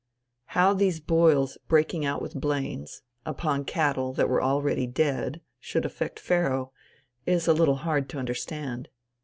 How these boils breaking out with blains, upon cattle that were already dead, should affect Pharaoh, is a little hard to understand.